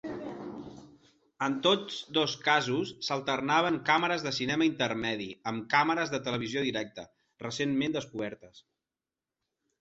En tots dos casos s'alternaven càmeres de cinema intermedi amb càmeres de televisió directa, recentment descobertes.